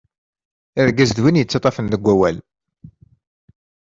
Argaz, d win yettaṭṭafen deg wawal-